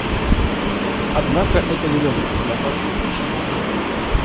Однако это не может продолжаться вечно.